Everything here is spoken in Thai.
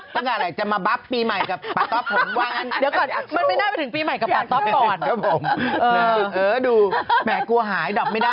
ปล่อยไหลนี่พูดเองเปล่าคะ